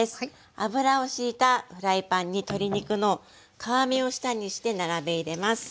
油をしいたフライパンに鶏肉の皮目を下にして並べ入れます。